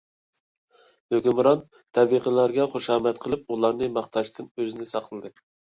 ھۆكۈمران تەبىقىلەرگە خۇشامەت قىلىپ، ئۇلارنى ماختاشتىن ئۆزىنى ساقلىدى.